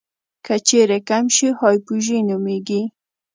که چیرې کم شي هایپوژي نومېږي.